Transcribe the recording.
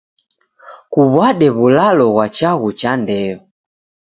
Kuw'ade w'ulalo ghwa chaghu cha ndeyo.